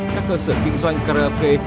các cơ sở kinh doanh karaoke